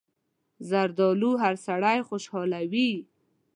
زردالو هر سړی خوشحالوي.